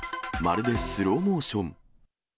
まるでスローモーション。